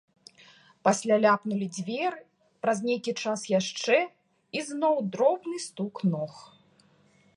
Пасля ляпнулі дзверы, праз нейкі час яшчэ, і зноў дробны стук ног.